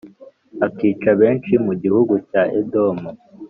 Akica benshi mu gihugu cya edomu